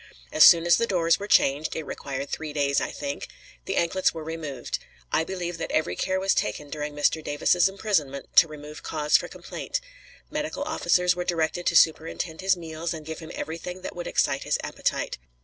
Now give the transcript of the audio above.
As soon as the doors were changed (it required three days, I think), the anklets were removed. I believe that every care was taken during Mr. Davis's imprisonment to remove cause for complaint. Medical officers were directed to superintend his meals and give him everything that would excite his appetite.